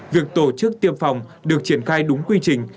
việc tổ chức tiêm phòng được triển khai đúng quy trình